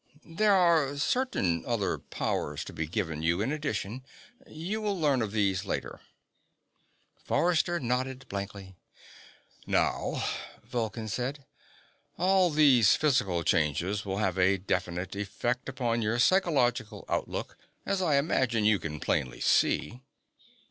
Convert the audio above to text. _" "There are certain other powers to be given you in addition. You will learn of these later." Forrester nodded blankly. "Now," Vulcan said, "all these physical changes will have a definite effect upon your psychological outlook, as I imagine you can plainly see."